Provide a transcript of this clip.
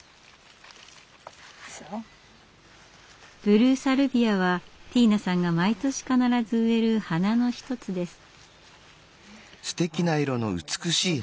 ブルーサルビアはティーナさんが毎年必ず植える花の一つです。